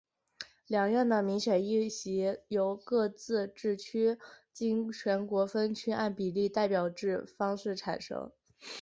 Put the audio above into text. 两院的民选议席由各自治区经全国分区按比例代表制方式产生。